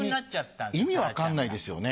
ホントに意味分かんないですよね。